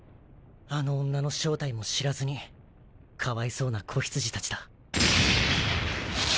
あの女の正体も知らずにかわいそうな子羊たちだ。